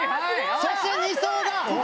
そして２走が。